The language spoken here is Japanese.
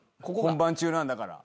本番中なんだから。